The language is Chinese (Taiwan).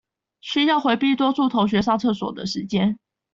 需要迴避多數同學上廁所的時間